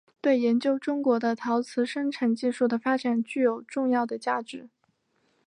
对研究中国的陶瓷生产技术的发展具有重要的价值。